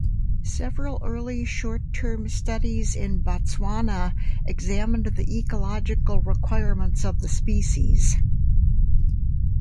Several early short-term studies in Botswana examined the ecological requirements of the species.